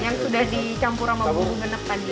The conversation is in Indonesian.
yang sudah dicampur sama bumbu genep tadi